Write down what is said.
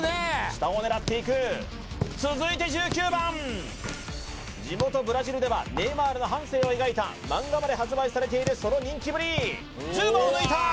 下を狙っていく続いて１９番地元ブラジルではネイマールの半生を描いた漫画まで発売されているその人気ぶり１０番を抜いた！